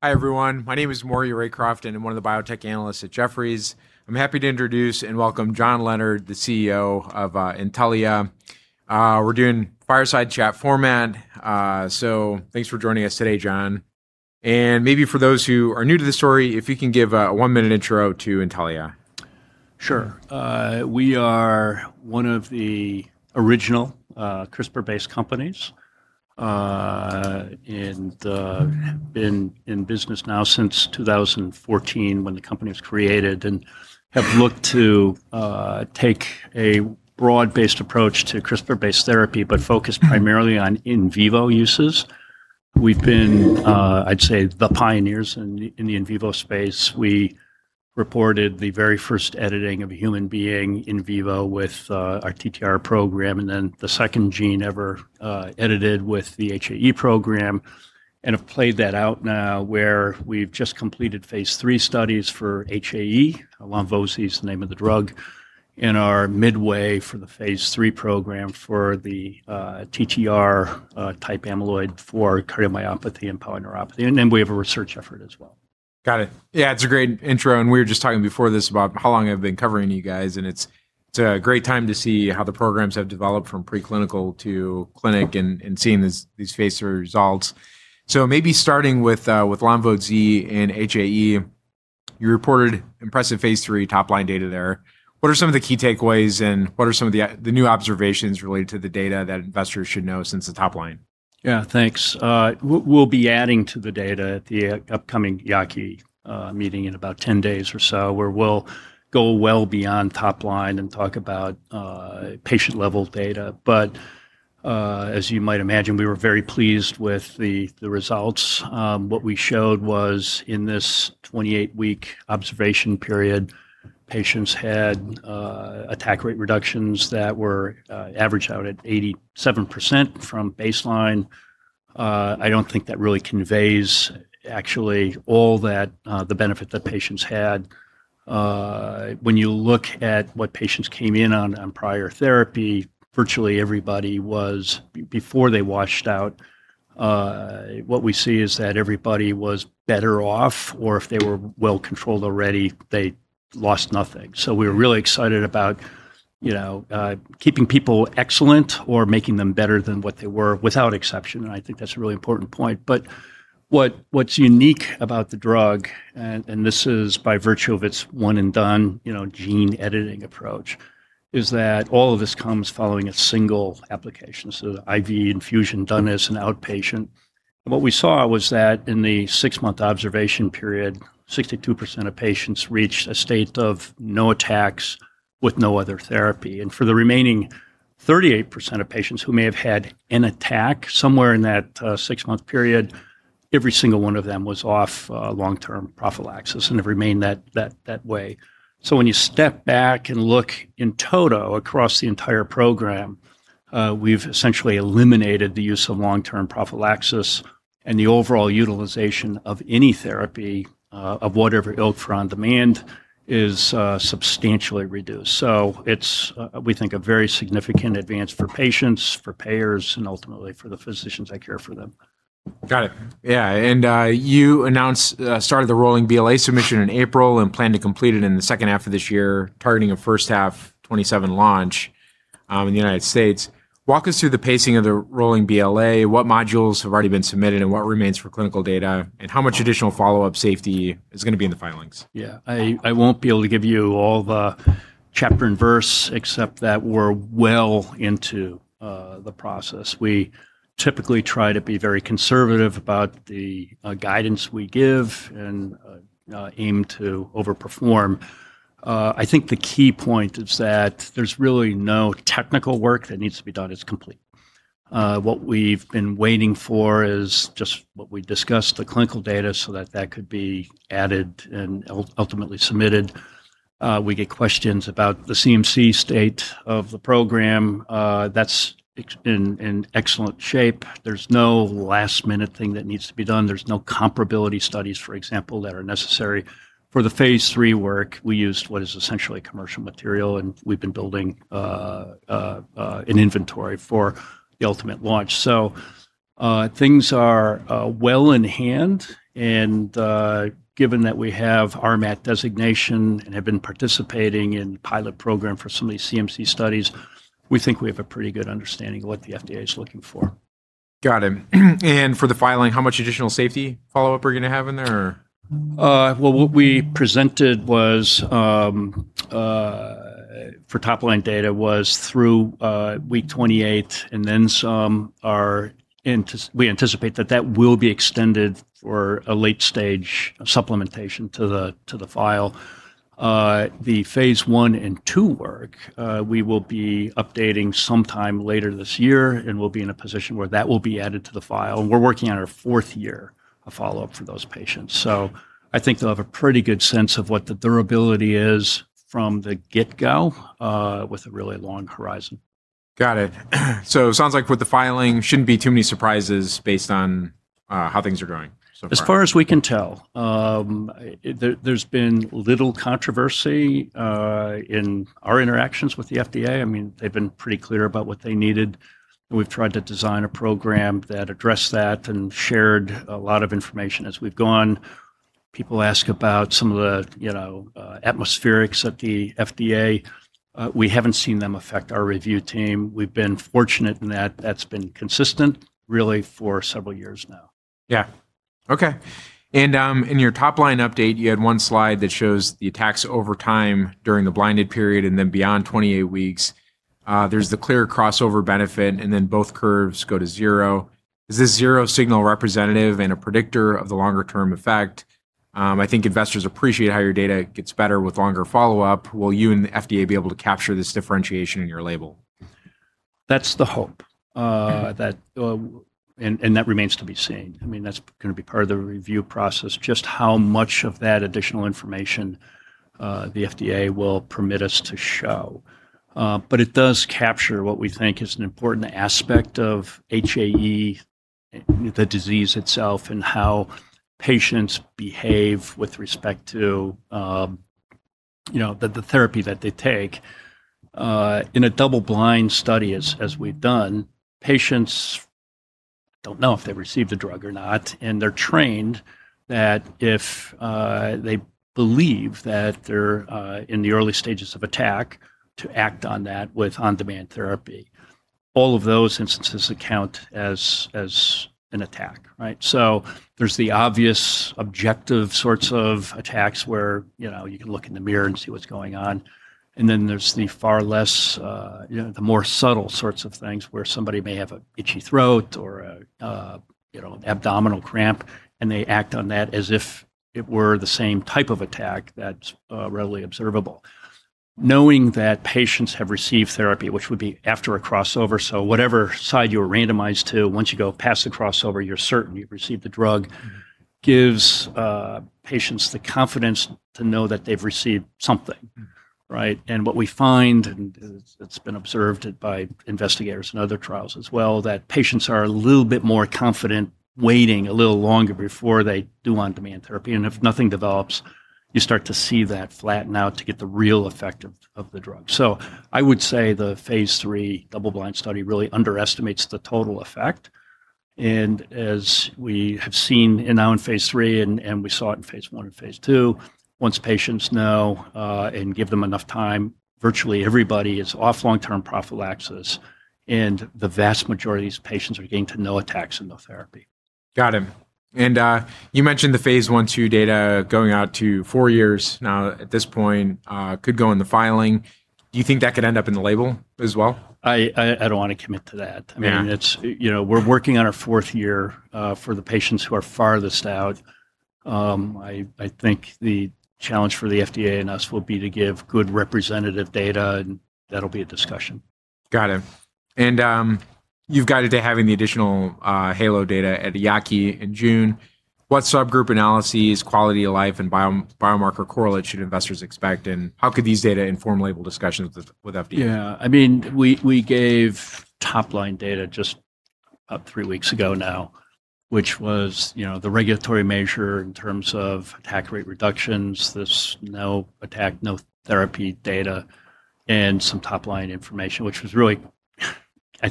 Hi, everyone. My name is Maury Raycroft, and I'm one of the Biotech Analysts at Jefferies. I'm happy to introduce and welcome John Leonard, the CEO of Intellia. We're doing fireside chat format. Thanks for joining us today, John. Maybe for those who are new to the story, if you can give a one-minute intro to Intellia. Sure. We are one of the original CRISPR-based companies, and have been in business now since 2014 when the company was created and have looked to take a broad-based approach to CRISPR-based therapy, but focused primarily on in vivo uses. We've been, I'd say, the pioneers in the in vivo space. We reported the very first editing of a human being in vivo with our TTR program, and then the second gene ever edited with the HAE program, and have played that out now where we've just completed phase III studies for HAE, lonvo-z is the name of the drug, and are midway for the phase III program for the TTR type amyloid for cardiomyopathy and polyneuropathy, and we have a research effort as well. Got it. Yeah, it's a great intro. We were just talking before this about how long I've been covering you guys, and it's a great time to see how the programs have developed from preclinical to clinic and seeing these phase III results. Maybe starting with lonvo-z and HAE, you reported impressive phase III top-line data there. What are some of the key takeaways, and what are some of the new observations related to the data that investors should know since the top line? Yeah, thanks. We'll be adding to the data at the upcoming EAACI meeting in about 10 days or so, where we'll go well beyond top line and talk about patient-level data. As you might imagine, we were very pleased with the results. What we showed was in this 28-week observation period, patients had attack rate reductions that were averaged out at 87% from baseline. I don't think that really conveys actually all the benefit that patients had. When you look at what patients came in on prior therapy, virtually everybody was, before they washed out, what we see is that everybody was better off, or if they were well-controlled already, they lost nothing. We were really excited about keeping people excellent or making them better than what they were, without exception. I think that's a really important point. What's unique about the drug, and this is by virtue of its one and done gene editing approach, is that all of this comes following a single application. The IV infusion done as an outpatient. What we saw was that in the six-month observation period, 62% of patients reached a state of no attacks with no other therapy. For the remaining 38% of patients who may have had an attack somewhere in that six-month period, every single one of them was off long-term prophylaxis and have remained that way. When you step back and look in toto across the entire program, we've essentially eliminated the use of long-term prophylaxis and the overall utilization of any therapy, of whatever ilk, for on-demand, is substantially reduced. It's, we think, a very significant advance for patients, for payers, and ultimately for the physicians that care for them. Got it. Yeah. You announced the start of the rolling BLA submission in April and plan to complete it in the second half of this year, targeting a first half 2027 launch in the United States. Walk us through the pacing of the rolling BLA. What modules have already been submitted, and what remains for clinical data, and how much additional follow-up safety is going to be in the filings? Yeah. I won't be able to give you all the chapter and verse, except that we're well into the process. We typically try to be very conservative about the guidance we give and aim to over-perform. I think the key point is that there's really no technical work that needs to be done. It's complete. What we've been waiting for is just what we discussed, the clinical data, so that that could be added and ultimately submitted. We get questions about the CMC state of the program. That's in excellent shape. There's no last-minute thing that needs to be done. There's no comparability studies, for example, that are necessary. For the phase III work, we used what is essentially commercial material, and we've been building an inventory for the ultimate launch. Things are well in hand, and given that we have RMAT designation and have been participating in pilot program for some of these CMC studies, we think we have a pretty good understanding of what the FDA is looking for. Got it. For the filing, how much additional safety follow-up are you going to have in there? Well, what we presented for top-line data was through week 28, then some we anticipate that that will be extended for a late-stage supplementation to the file. The phase I and II work, we will be updating sometime later this year, and we'll be in a position where that will be added to the file. We're working on our fourth year of follow-up for those patients. I think they'll have a pretty good sense of what the durability is from the get-go, with a really long horizon. Got it. It sounds like with the filing, shouldn't be too many surprises based on how things are going so far. As far as we can tell. There's been little controversy in our interactions with the FDA. They've been pretty clear about what they needed. We've tried to design a program that addressed that and shared a lot of information as we've gone. People ask about some of the atmospherics at the FDA. We haven't seen them affect our review team. We've been fortunate in that that's been consistent really for several years now. Yeah. Okay. In your top-line update, you had one slide that shows the attacks over time during the blinded period and then beyond 28 weeks. There's the clear crossover benefit, and then both curves go to zero. Is this zero signal representative and a predictor of the longer-term effect? I think investors appreciate how your data gets better with longer follow-up. Will you and the FDA be able to capture this differentiation in your label? That's the hope. That remains to be seen. That's going to be part of the review process, just how much of that additional information the FDA will permit us to show. It does capture what we think is an important aspect of HAE, the disease itself, and how patients behave with respect to the therapy that they take. In a double-blind study, as we've done, patients don't know if they've received a drug or not, and they're trained that if they believe that they're in the early stages of attack, to act on that with on-demand therapy. All of those instances count as an attack, right? There's the obvious objective sorts of attacks where you can look in the mirror and see what's going on, and then there's the far less, the more subtle sorts of things where somebody may have an itchy throat or an abdominal cramp, and they act on that as if it were the same type of attack that's readily observable. Knowing that patients have received therapy, which would be after a crossover, so whatever side you were randomized to, once you go past the crossover, you're certain you've received the drug, gives patients the confidence to know that they've received something. Right? What we find, and it's been observed by investigators in other trials as well, that patients are a little bit more confident waiting a little longer before they do on-demand therapy. If nothing develops, you start to see that flatten out to get the real effect of the drug. I would say the phase III double-blind study really underestimates the total effect. As we have seen now in phase III and we saw it in phase I and phase II, once patients know and give them enough time, virtually everybody is off long-term prophylaxis, and the vast majority of these patients are getting to no attacks, no therapy. Got it. You mentioned the phase I/II data going out to four years now at this point, could go in the filing. Do you think that could end up in the label as well? I don't want to commit to that. We're working on our fourth year for the patients who are farthest out. I think the challenge for the FDA and us will be to give good representative data, and that'll be a discussion. Got it. You've guided to having the additional HAELO data at the EAACI in June. What subgroup analyses, quality of life, and biomarker correlate should investors expect, and how could these data inform label discussions with FDA? We gave top-line data just about three weeks ago now, which was the regulatory measure in terms of attack rate reductions, this no attack, no therapy data, and some top-line information, which was really, I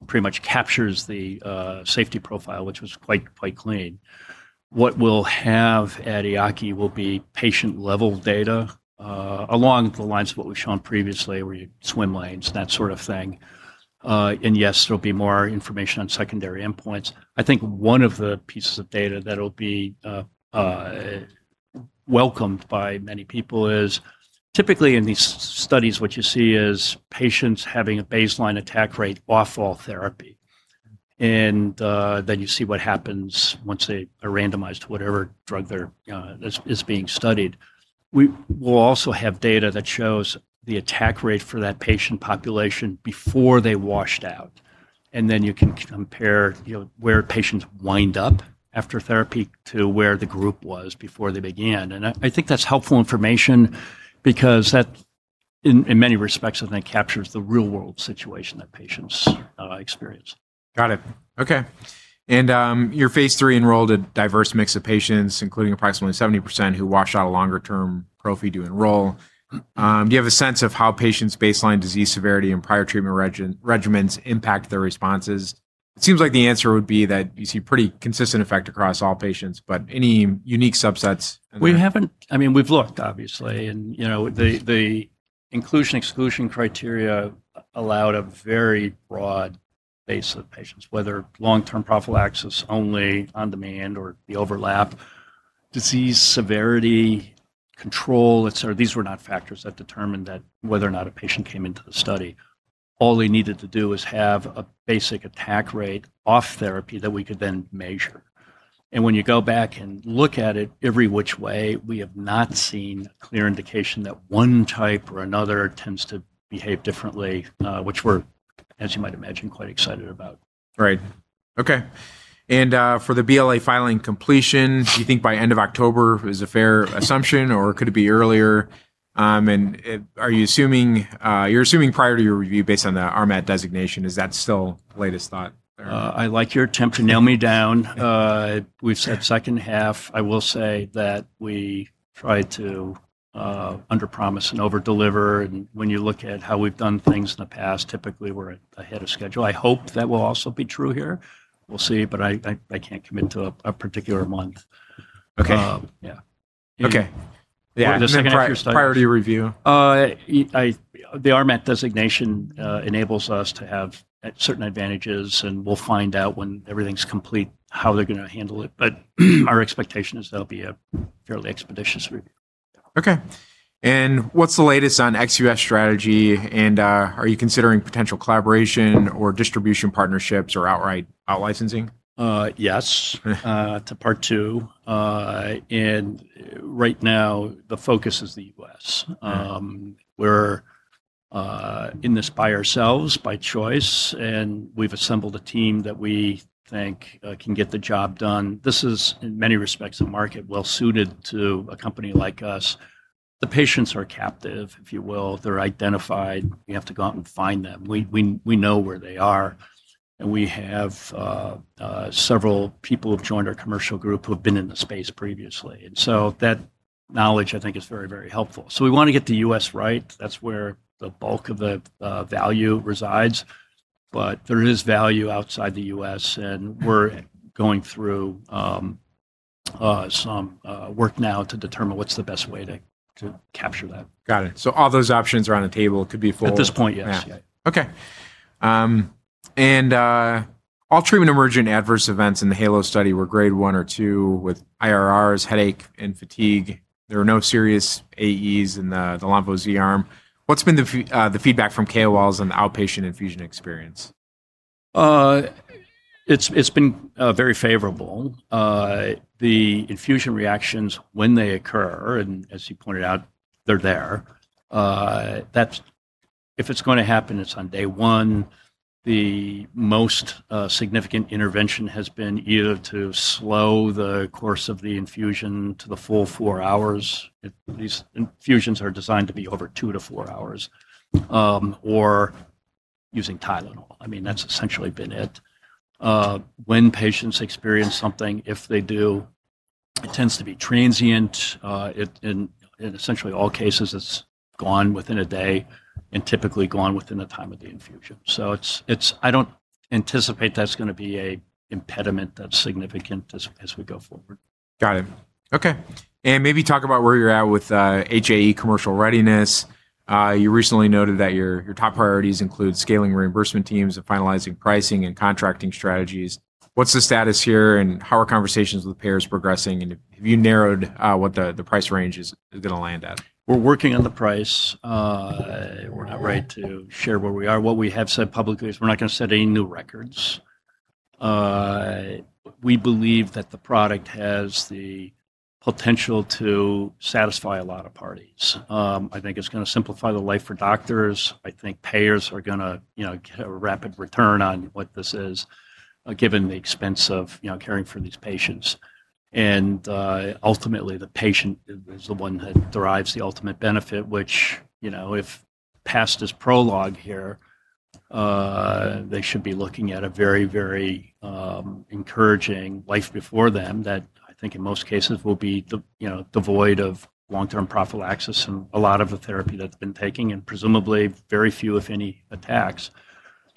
think, pretty much captures the safety profile, which was quite clean. What we'll have at EAACI will be patient-level data along the lines of what we've shown previously, where you have swim lanes, that sort of thing. Yes, there'll be more information on secondary endpoints. I think one of the pieces of data that'll be welcomed by many people is typically in these studies, what you see is patients having a baseline attack rate off all therapy. Then you see what happens once they are randomized to whatever drug that is being studied. We will also have data that shows the attack rate for that patient population before they washed out, and then you can compare where patients wind up after therapy to where the group was before they began. I think that's helpful information because that, in many respects, I think captures the real-world situation that patients experience. Got it. Okay. Your phase III enrolled a diverse mix of patients, including approximately 70% who washed out a longer-term prophy to enroll. Do you have a sense of how patients' baseline disease severity and prior treatment regimens impact their responses? It seems like the answer would be that you see pretty consistent effect across all patients, but any unique subsets in there? We haven't. We've looked, obviously, and the inclusion/exclusion criteria allowed a very broad base of patients, whether long-term prophylaxis, only on-demand, or the overlap. Disease severity control, these were not factors that determined that whether or not a patient came into the study. All they needed to do was have a basic attack rate off therapy that we could then measure. When you go back and look at it every which way, we have not seen a clear indication that one type or another tends to behave differently, which we're, as you might imagine, quite excited about. Right. Okay. For the BLA filing completion, do you think by end of October is a fair assumption, or could it be earlier? You're assuming priority review based on the RMAT designation. Is that still the latest thought there? I like your attempt to nail me down. We've said second half. I will say that we try to underpromise and overdeliver. When you look at how we've done things in the past, typically we're ahead of schedule. I hope that will also be true here. We'll see, but I can't commit to a particular month. Yeah. Okay. Yeah. Priority review. The RMAT designation enables us to have certain advantages, and we'll find out when everything's complete how they're going to handle it. Our expectation is that'll be a fairly expeditious review. Okay. What's the latest on ex-U.S. strategy, and are you considering potential collaboration or distribution partnerships or outright out-licensing? Yes. To part two, and right now the focus is the U.S. We're in this by ourselves by choice, and we've assembled a team that we think can get the job done. This is, in many respects, a market well-suited to a company like us. The patients are captive, if you will. They're identified. We have to go out and find them. We know where they are, and we have several people who have joined our commercial group who have been in the space previously. That knowledge I think is very, very helpful. We want to get the U.S. right. That's where the bulk of the value resides. There is value outside the U.S., and we're going through some work now to determine what's the best way to capture that. Got it. All those options are on the table. It could be full- At this point, yes. Yeah. Okay. All treatment-emergent adverse events in the HAELO study were Grade 1 or 2 with IRRs, headache, and fatigue. There are no serious AEs in the lonvo-z arm. What's been the feedback from KOLs on the outpatient infusion experience? It's been very favorable. The infusion reactions when they occur, and as you pointed out, they're there. If it's going to happen, it's on day one. The most significant intervention has been either to slow the course of the infusion to the full four hours, these infusions are designed to be over two to four hours, or using Tylenol. That's essentially been it. When patients experience something, if they do, it tends to be transient. In essentially all cases, it's gone within a day, and typically gone within the time of the infusion. I don't anticipate that's going to be a impediment that's significant as we go forward. Got it. Okay. Maybe talk about where you're at with HAE commercial readiness. You recently noted that your top priorities include scaling reimbursement teams and finalizing pricing and contracting strategies. What's the status here, and how are conversations with payers progressing, and have you narrowed what the price range is going to land at? We're working on the price. We're not right to share where we are. What we have said publicly is we're not going to set any new records. We believe that the product has the potential to satisfy a lot of parties. I think it's going to simplify the life for doctors. I think payers are going to get a rapid return on what this is, given the expense of caring for these patients. Ultimately, the patient is the one that derives the ultimate benefit, which if past is prologue here, they should be looking at a very encouraging life before them that I think in most cases will be devoid of long-term prophylaxis and a lot of the therapy that's been taking, and presumably very few, if any, attacks.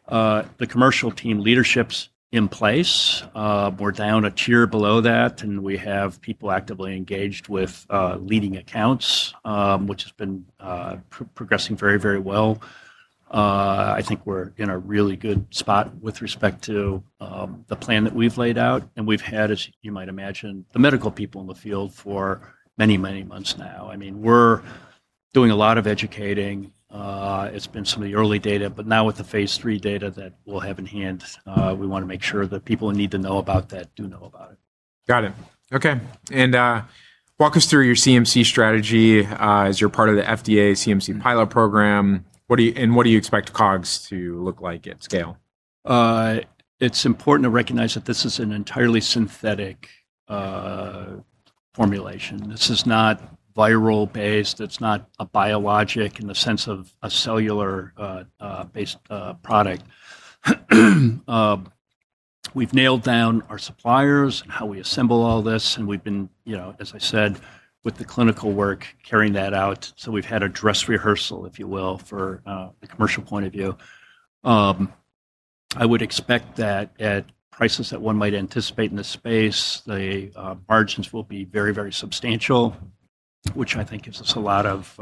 The commercial team leadership's in place. We're down a tier below that, and we have people actively engaged with leading accounts, which has been progressing very well. I think we're in a really good spot with respect to the plan that we've laid out, and we've had, as you might imagine, the medical people in the field for many months now. We're doing a lot of educating. It's been some of the early data, but now with the phase III data that we'll have in hand, we want to make sure that people who need to know about that do know about it. Got it. Okay. Walk us through your CMC strategy as you're part of the FDA CMC pilot program, and what do you expect COGS to look like at scale? It's important to recognize that this is an entirely synthetic formulation. This is not viral based. It's not a biologic in the sense of a cellular-based product. We've nailed down our suppliers and how we assemble all this, and we've been, as I said, with the clinical work, carrying that out. We've had a dress rehearsal, if you will, for the commercial point of view. I would expect that at prices that one might anticipate in this space, the margins will be very substantial, which I think gives us a lot of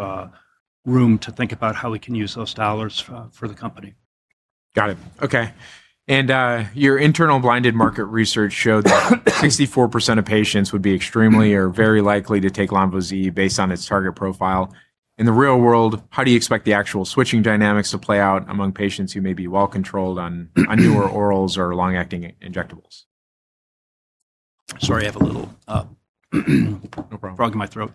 room to think about how we can use those dollars for the company. Got it. Okay. Your internal blinded market research showed that 64% of patients would be extremely or very likely to take lonvo-z based on its target profile. In the real world, how do you expect the actual switching dynamics to play out among patients who may be well controlled on newer orals or long-acting injectables? Sorry, I have a little- No problem. frog in my throat.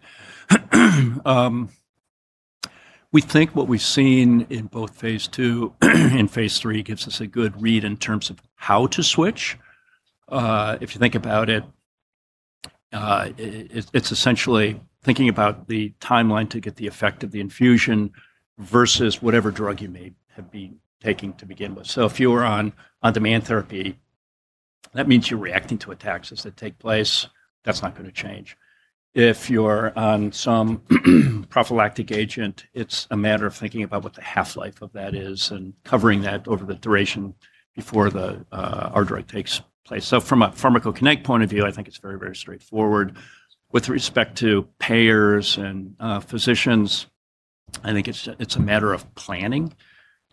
We think what we've seen in both phase II and phase III gives us a good read in terms of how to switch. If you think about it. It's essentially thinking about the timeline to get the effect of the infusion versus whatever drug you may have been taking to begin with. If you are on demand therapy, that means you're reacting to attacks as they take place. That's not going to change. If you're on some prophylactic agent, it's a matter of thinking about what the half-life of that is and covering that over the duration before our drug takes place. From a pharmacokinetic point of view, I think it's very straightforward. With respect to payers and physicians, I think it's a matter of planning,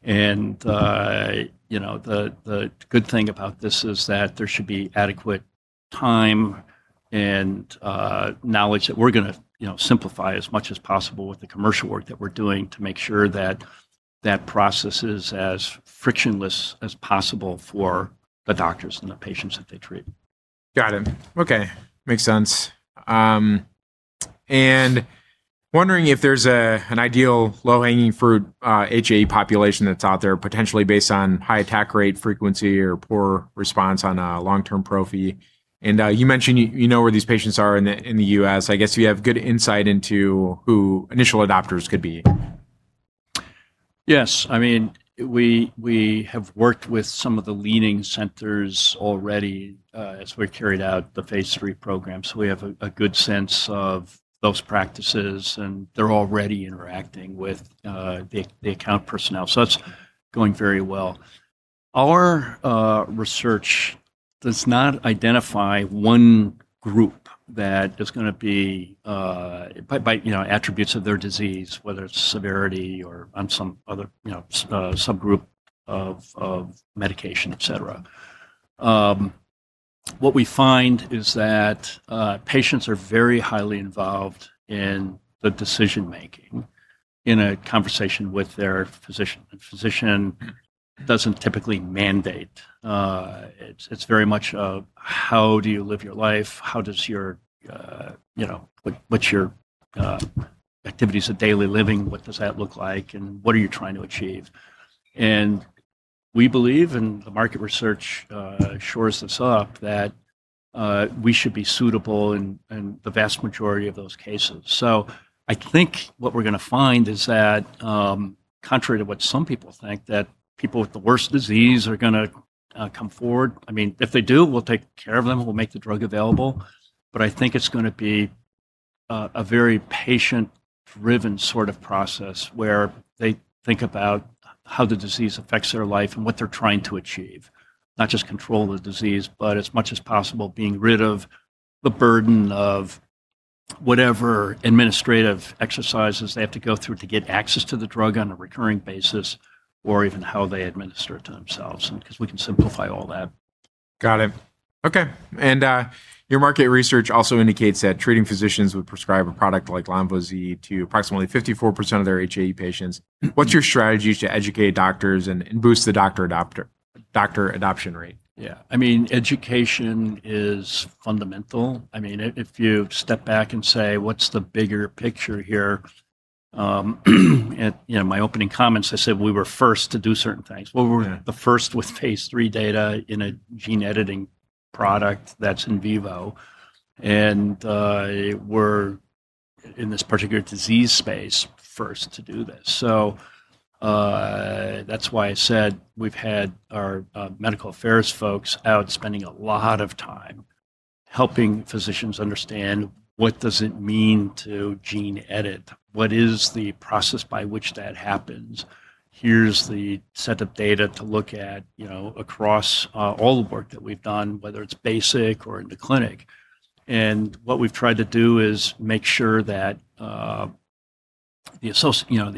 and the good thing about this is that there should be adequate time and knowledge that we're going to simplify as much as possible with the commercial work that we're doing to make sure that that process is as frictionless as possible for the doctors and the patients that they treat. Got it. Okay. Makes sense. Wondering if there's an ideal low-hanging fruit HAE population that's out there, potentially based on high attack rate frequency or poor response on a long-term prophy. You mentioned you know where these patients are in the U.S. I guess you have good insight into who initial adopters could be. Yes. We have worked with some of the leading centers already as we carried out the phase III program. We have a good sense of those practices, and they are already interacting with the account personnel. That's going very well. Our research does not identify one group that is going to be, by attributes of their disease, whether it's severity or on some other subgroup of medication, et cetera. What we find is that patients are very highly involved in the decision making in a conversation with their physician. A physician doesn't typically mandate. It's very much a, how do you live your life? What's your activities of daily living? What does that look like, and what are you trying to achieve? We believe, and the market research assures us of, that we should be suitable in the vast majority of those cases. I think what we're going to find is that, contrary to what some people think, that people with the worst disease are going to come forward. If they do, we'll take care of them. We'll make the drug available. I think it's going to be a very patient-driven sort of process, where they think about how the disease affects their life and what they're trying to achieve. Not just control the disease, but as much as possible being rid of the burden of whatever administrative exercises they have to go through to get access to the drug on a recurring basis or even how they administer it to themselves, because we can simplify all that. Got it. Okay. Your market research also indicates that treating physicians would prescribe a product like lonvo-z to approximately 54% of their HAE patients. What's your strategy to educate doctors and boost the doctor adoption rate? Yeah. Education is fundamental. If you step back and say, "What's the bigger picture here?" In my opening comments, I said we were first to do certain things. We were the first with phase III data in a gene editing product that's in vivo, and we're, in this particular disease space, first to do this. That's why I said we've had our medical affairs folks out spending a lot of time helping physicians understand what does it mean to gene edit. What is the process by which that happens? Here's the set of data to look at across all the work that we've done, whether it's basic or in the clinic. What we've tried to do is make sure that the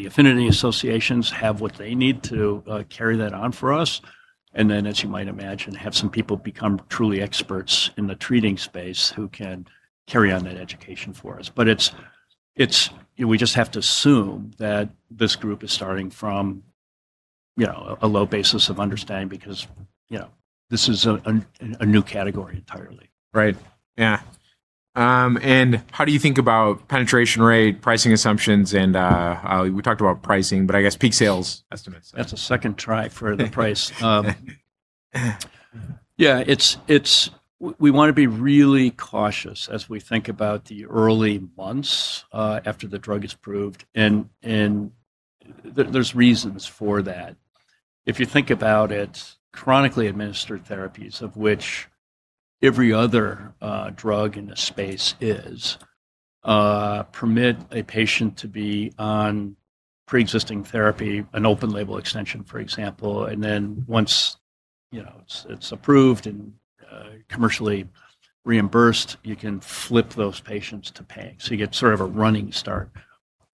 affinity associations have what they need to carry that on for us, and then, as you might imagine, have some people become truly experts in the treating space who can carry on that education for us. We just have to assume that this group is starting from a low basis of understanding because this is a new category entirely. Right. Yeah. How do you think about penetration rate, pricing assumptions, and we talked about pricing, but I guess peak sales estimates? That's a second try for the price. We want to be really cautious as we think about the early months after the drug is approved, and there's reasons for that. If you think about it, chronically administered therapies, of which every other drug in the space is, permit a patient to be on preexisting therapy, an open label extension, for example. Once it's approved and commercially reimbursed, you can flip those patients to pay. You get sort of a running start.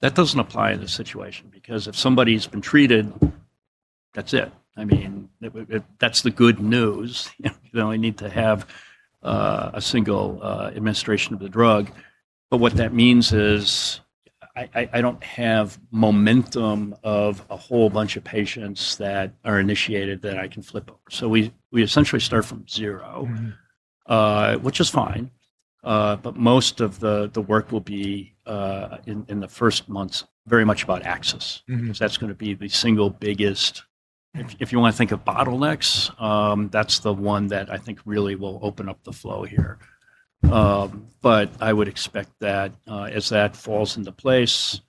That doesn't apply in this situation, because if somebody's been treated, that's it. That's the good news. You only need to have a single administration of the drug. What that means is I don't have momentum of a whole bunch of patients that are initiated that I can flip over. We essentially start from zero. Which is fine. Most of the work will be in the first months very much about access. That's going to be the single biggest. If you want to think of bottlenecks, that's the one that I think really will open up the flow here. I would expect that as that falls into place.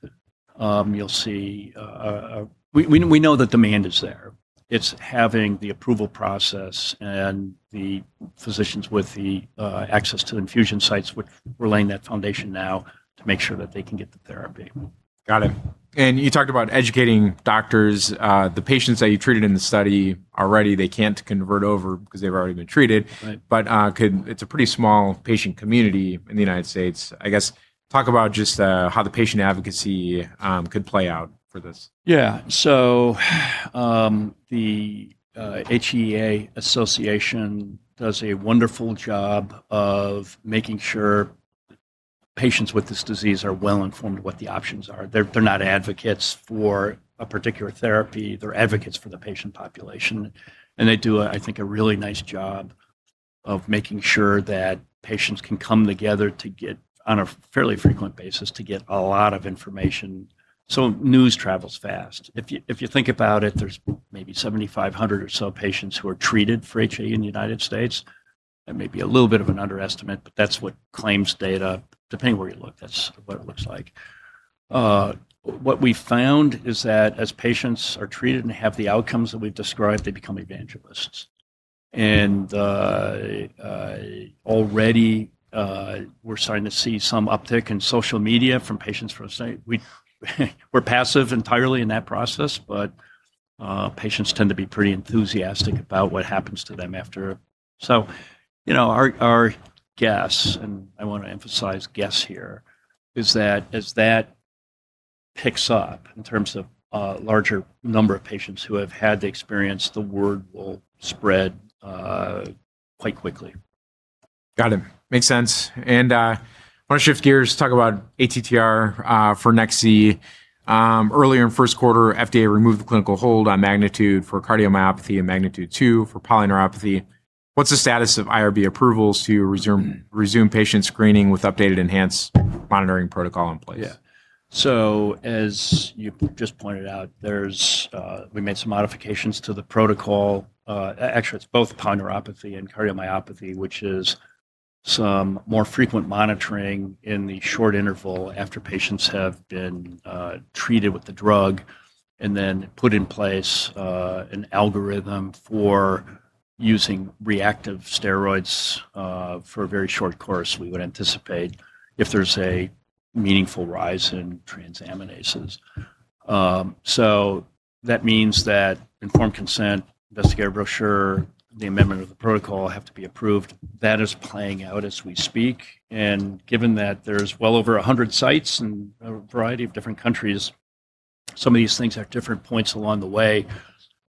We know the demand is there. It's having the approval process and the physicians with the access to infusion sites. We're laying that foundation now to make sure that they can get the therapy. Got it. You talked about educating doctors. The patients that you treated in the study already, they can't convert over because they've already been treated. It's a pretty small patient community in the U.S. I guess, talk about just how the patient advocacy could play out for this. Yeah. The HAE Association does a wonderful job of making sure patients with this disease are well-informed of what the options are. They're not advocates for a particular therapy, they're advocates for the patient population. They do, I think, a really nice job of making sure that patients can come together on a fairly frequent basis to get a lot of information. News travels fast. If you think about it, there's maybe 7,500 or so patients who are treated for HAE in the United States. That may be a little bit of an underestimate, that's what claims data, depending on where you look, that's what it looks like. What we've found is that as patients are treated and have the outcomes that we've described, they become evangelists. Already we're starting to see some uptick in social media from patients from the start. We're passive entirely in that process. Patients tend to be pretty enthusiastic about what happens to them after. Our guess, and I want to emphasize guess here, is that as that picks up in terms of a larger number of patients who have had the experience, the word will spread quite quickly. Got it. Makes sense. I want to shift gears to talk about ATTR for nex-z. Earlier in first quarter, FDA removed the clinical hold on MAGNITUDE for cardiomyopathy and MAGNITUDE-2 for polyneuropathy. What's the status of IRB approvals to resume patient screening with updated enhanced monitoring protocol in place? Yeah. As you just pointed out, we made some modifications to the protocol. Actually, it is both polyneuropathy and cardiomyopathy, which is some more frequent monitoring in the short interval after patients have been treated with the drug and then put in place an algorithm for using reactive steroids for a very short course, we would anticipate if there is a meaningful rise in transaminases. That means that informed consent, investigator brochure, the amendment of the protocol have to be approved. That is playing out as we speak, and given that there is well over 100 sites in a variety of different countries, some of these things have different points along the way.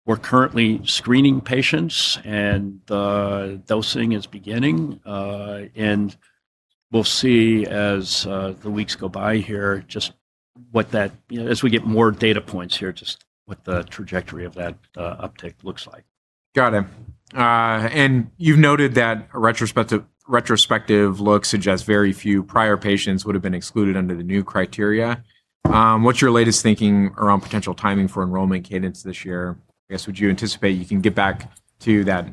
We are currently screening patients, and dosing is beginning. We will see as the weeks go by here, as we get more data points here, just what the trajectory of that uptick looks like. Got it. You've noted that a retrospective look suggests very few prior patients would have been excluded under the new criteria. What's your latest thinking around potential timing for enrollment cadence this year? I guess, would you anticipate you can get back to that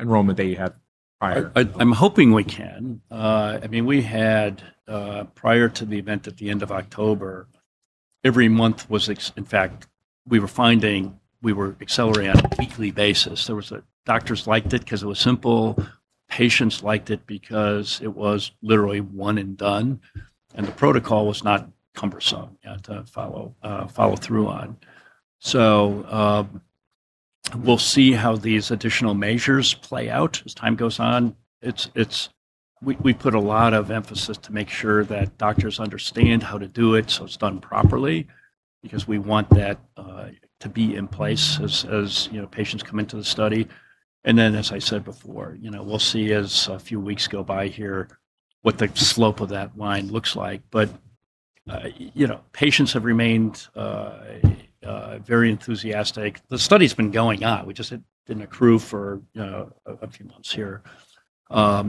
enrollment that you had prior? I'm hoping we can. We had, prior to the event at the end of October, every month was ex-- In fact, we were finding we were accelerating on a weekly basis. Doctors liked it because it was simple, patients liked it because it was literally one and done, and the protocol was not cumbersome to follow through on. We'll see how these additional measures play out as time goes on. We put a lot of emphasis to make sure that doctors understand how to do it so it's done properly because we want that to be in place as patients come into the study. As I said before, we'll see as a few weeks go by here what the slope of that line looks like. Patients have remained very enthusiastic. The study's been going on. We just had been accrued for a few months here.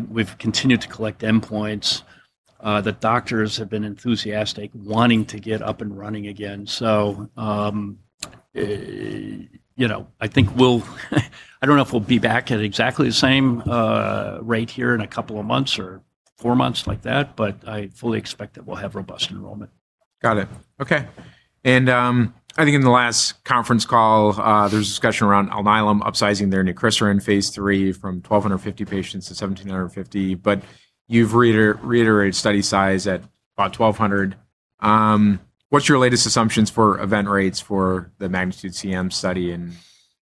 We've continued to collect endpoints. The doctors have been enthusiastic, wanting to get up and running again. I don't know if we'll be back at exactly the same rate here in a couple of months or four months like that, but I fully expect that we'll have robust enrollment. Got it. Okay. I think in the last conference call, there was discussion around Alnylam upsizing their vutrisiran phase III from 1,250 patients to 1,750, but you've reiterated study size at about 1,200. What's your latest assumptions for event rates for the MAGNITUDE CM study, and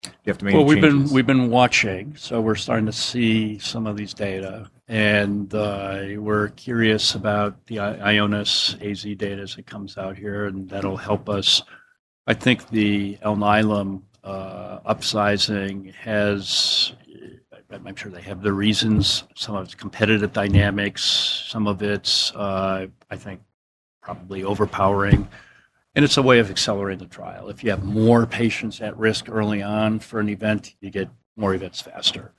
do you have to make any changes? Well, we've been watching, we're starting to see some of these data. We're curious about the Ionis AZ data as it comes out here, and that'll help us. I think the Alnylam upsizing, I'm sure they have their reasons. Some of it's competitive dynamics, some of it's, I think, probably overpowering. It's a way of accelerating the trial. If you have more patients at risk early on for an event, you get more events faster.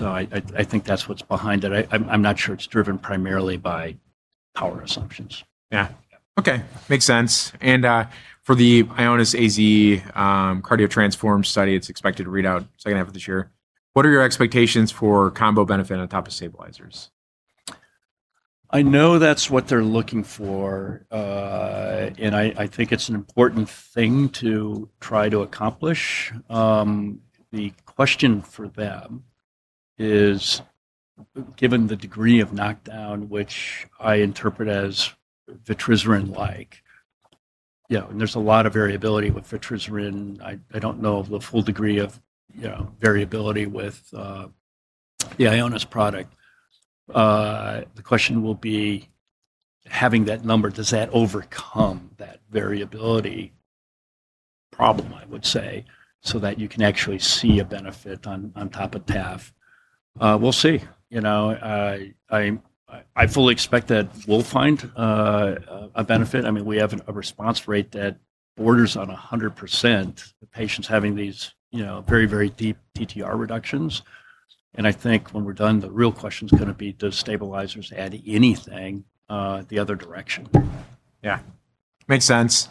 I think that's what's behind it. I'm not sure it's driven primarily by power assumptions. Yeah. Okay. Makes sense. For the IONIS-AZ CARDIO-TTRansform study, it's expected to read out second half of this year. What are your expectations for combo benefit on top of stabilizers? I know that's what they're looking for. I think it's an important thing to try to accomplish. The question for them is, given the degree of knockdown, which I interpret as vutrisiran-like, and there's a lot of variability with vutrisiran. I don't know of the full degree of variability with the Ionis product. The question will be, having that number, does that overcome that variability problem, I would say, so that you can actually see a benefit on top of tafamidis? We'll see. I fully expect that we'll find a benefit. We have a response rate that borders on 100% of patients having these very deep TTR reductions. I think when we're done, the real question's going to be, do stabilizers add anything the other direction? Yeah. Makes sense.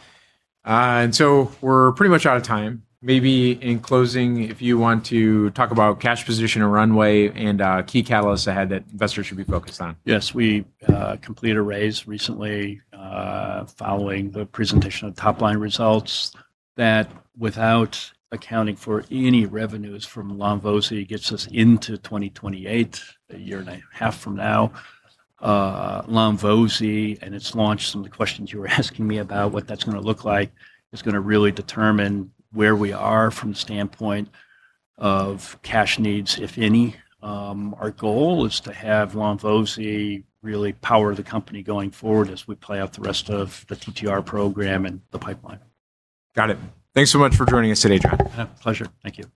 We're pretty much out of time. Maybe in closing, if you want to talk about cash position or runway and key catalysts ahead that investors should be focused on. Yes. We completed a raise recently following the presentation of top-line results that, without accounting for any revenues from lonvo-z, gets us into 2028, a year and a half from now. lonvo-z, and its launch, some of the questions you were asking me about what that's going to look like, is going to really determine where we are from the standpoint of cash needs, if any. Our goal is to have lonvo-z really power the company going forward as we play out the rest of the TTR program and the pipeline. Got it. Thanks so much for joining us today, John. Yeah. Pleasure. Thank you.